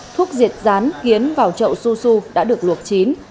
thuốc diệt rán kiến vào chậu su su đã được luộc chín